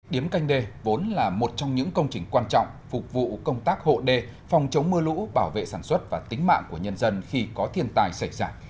điếm canh đê vốn là một trong những công trình quan trọng phục vụ công tác hộ đê phòng chống mưa lũ bảo vệ sản xuất và tính mạng của nhân dân khi có thiên tài xảy ra